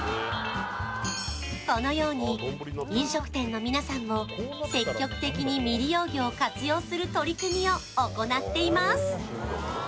このように、飲食店の皆さんも積極的に未利用魚を活用する取り組みを行っています。